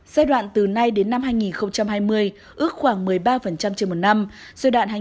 giai đoạn từ nay đến năm hai nghìn hai mươi ước khoảng một mươi ba trên một năm